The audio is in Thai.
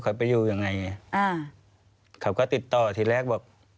ควิทยาลัยเชียร์สวัสดีครับ